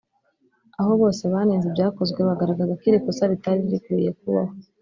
aho bose banenze ibyakozwe bagaragaza ko iri kosa ritari rikwiye kubaho